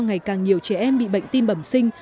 ngày càng nhiều trẻ em bị bệnh tim bẩm sinh